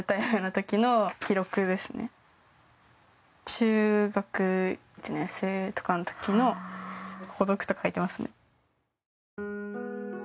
中学１年生の時孤独と書いていますね。